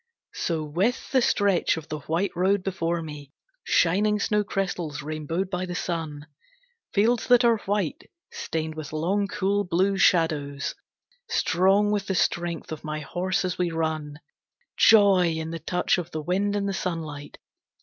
So with the stretch of the white road before me, Shining snowcrystals rainbowed by the sun, Fields that are white, stained with long, cool, blue shadows, Strong with the strength of my horse as we run. Joy in the touch of the wind and the sunlight!